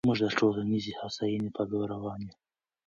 موږ د ټولنیزې هوساینې په لور روان یو.